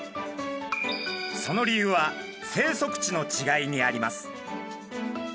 その理由は生息地のちがいにあります。